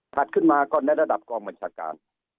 ขึ้นมาก็ในระดับกองบัญชาการ